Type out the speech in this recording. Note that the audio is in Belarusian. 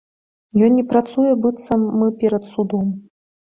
Ён не працуе, быццам мы перад судом.